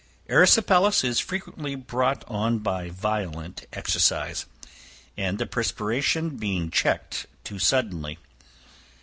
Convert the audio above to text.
Erysipelas is frequently brought on by violent exercise, and the perspiration being checked too suddenly.